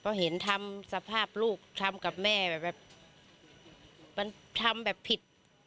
เพราะเห็นทำสภาพลูกทำกับแม่แบบมันทำแบบผิด